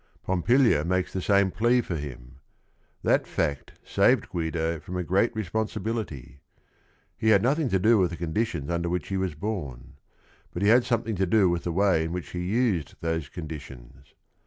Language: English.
Pompilia makes the same plea for him. That fact saved Guido from a great responsibility. He had nothing to do with the conditions under which he was born. But he had something to do with the way in which he used those conditions.